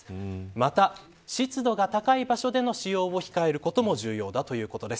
また、湿度が高い場所での使用を控えることも重要だということです。